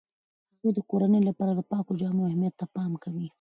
هغې د کورنۍ لپاره د پاکو جامو اهمیت ته پام کوي.